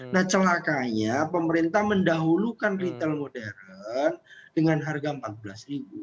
nah celakanya pemerintah mendahulukan retail modern dengan harga rp empat belas